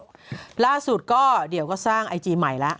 เกิดใจมาสุดก็เดี่ยวก็สร้างไอจีใหม่ละ